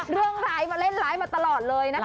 เรื่องร้ายมาเล่นร้ายมาตลอดเลยนะคะ